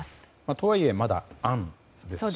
とはいえまだ案ですし。